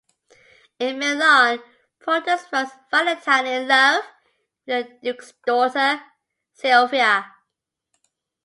In Milan, Proteus finds Valentine in love with the Duke's daughter, Silvia.